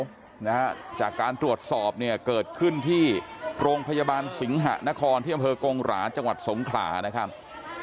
นะฮะจากการตรวจสอบเนี่ยเกิดขึ้นที่โรงพยาบาลสิงหะนครที่อำเภอกงหราจังหวัดสงขลานะครับ